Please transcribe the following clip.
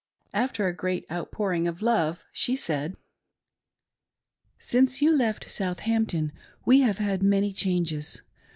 After a great outpouring of love, she said :— Since you left Southampton, we have had many changes.